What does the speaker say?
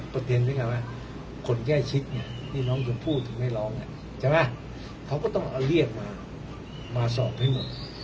เพราะฉะนั้นต้องรวดเนี้ยเขาต้องเรียกทุกคนที่ต้องสงสัยกัน